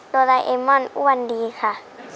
โดราเอมอนอ้วนดีค่ะ